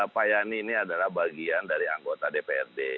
pak yani ini adalah bagian dari anggota dprd